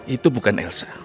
itu bukan elsa